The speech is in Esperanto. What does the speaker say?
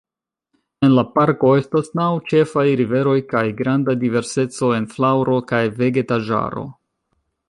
En la parko estas naŭ ĉefaj riveroj kaj granda diverseco en flaŭro kaj vegetaĵaro.